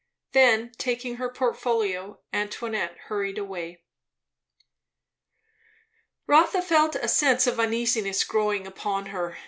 Then taking her portfolio, Antoinette hurried away. Rotha felt a sense of uneasiness growing upon her.